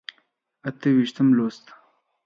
اته ویشتم لوست.